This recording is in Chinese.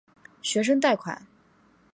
学生贷款。